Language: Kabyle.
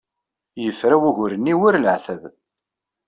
Yefra ugur-nni war leɛtab.